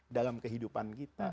dalam kehidupan kita